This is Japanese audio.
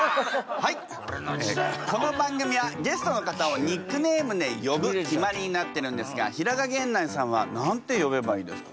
この番組はゲストの方をニックネームで呼ぶ決まりになってるんですが平賀源内さんは何て呼べばいいですか？